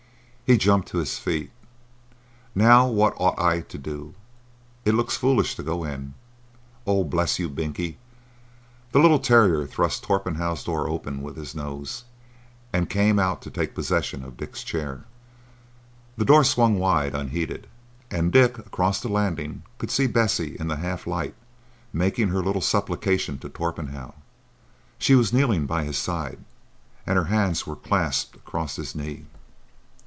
He jumped to his feet. "Now what ought I to do? It looks foolish to go in.—Oh, bless you, Binkie!" The little terrier thrust Torpenhow's door open with his nose and came out to take possession of Dick's chair. The door swung wide unheeded, and Dick across the landing could see Bessie in the half light making her little supplication to Torpenhow. She was kneeling by his side, and her hands were clasped across his knee.